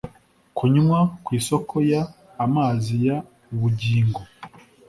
kunywa ku isoko y amazi y ubugingo